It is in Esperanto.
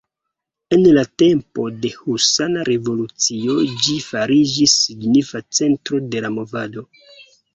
En la tempo de husana revolucio ĝi fariĝis signifa centro de la movado.